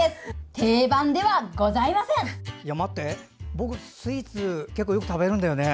僕、スイーツ結構よく食べるんだよね。